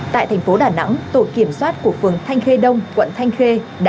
tại thành phố đà nẵng tổ kiểm soát của phường thanh khê đông quận thanh khê đã